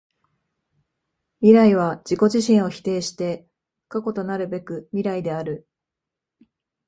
未来は自己自身を否定して過去となるべく未来である。